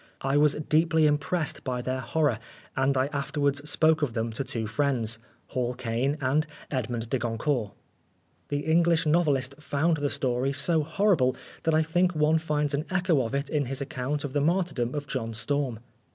I was deeply impressed by their horror, and I afterwards spoke of them to two friends, Hall Caine and Edmond de Goncourt The English novelist found the story so horrible that I think one finds an echo of it in his account of the martyrdom of John Storm.